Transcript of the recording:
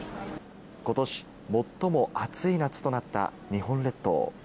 ことし、最も暑い夏となった日本列島。